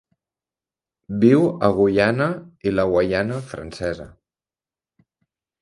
Viu a Guyana i la Guaiana Francesa.